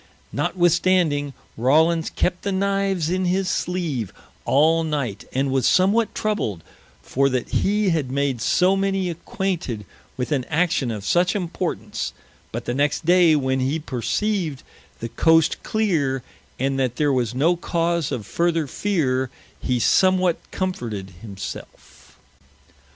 Notwithstanding, Rawlins kept the Knives in his sleeve all night, and was somewhat troubled, for that hee had made so many acquainted with an action of such importance; but the next day, when hee perceived the Coast cleere, and that there was no cause of further feare, hee somewhat comforted himselfe.